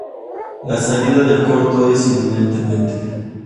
La salida del corto es inminente.